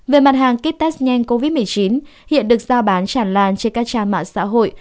về mặt hàng kit test nhanh covid một mươi chín hiện được giao bán tràn lan trên các trang mạng xã hội